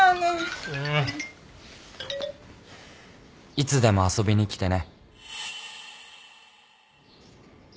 「いつでも遊びに来てね」